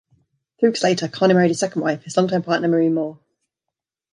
Three weeks later, Karno married his second wife, his long-time partner, Marie Moore.